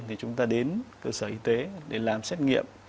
thì chúng ta đến cơ sở y tế để làm xét nghiệm